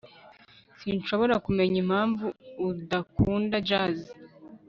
sinshobora kumenya impamvu udakunda jazz